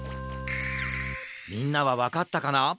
みんなはわかったかな？